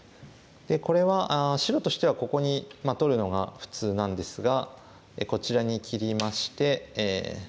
これは白としてはここに取るのが普通なんですがこちらに切りまして。